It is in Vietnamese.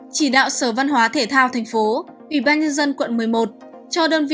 chỉ đạo sở văn hóa thể thao tp ubnd quận một mươi một